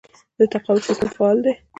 د تقاعد سیستم فعال دی؟